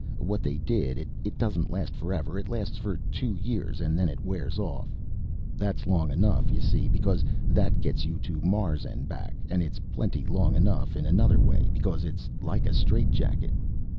What they did, it doesn't last forever. It lasts for two years and then it wears off. That's long enough, you see, because that gets you to Mars and back; and it's plenty long enough, in another way, because it's like a strait jacket.